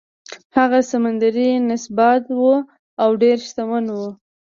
هغه سمندري سنباد و او ډیر شتمن و.